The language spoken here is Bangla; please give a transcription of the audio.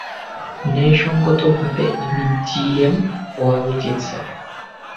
ন্যায়সঙ্গত ভাবে, আমি জিএম হওয়া উচিত, স্যার।